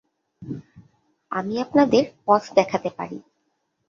আমি আপনাদের পথ দেখাতে পারি।